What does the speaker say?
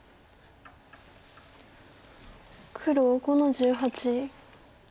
黒５の十八。